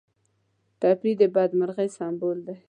ټپي د بدمرغۍ سمبول دی.